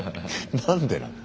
何でなの？